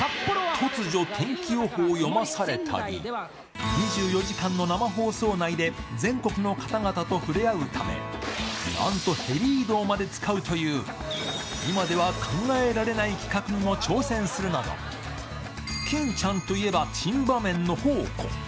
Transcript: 突如天気予報を読まされたり、２４時間の生放送内で全国の方々と触れ合うため、なんとヘリ移動まで使うという、今では考えられない企画に挑戦するなど、欽ちゃんといえば珍場面の宝庫。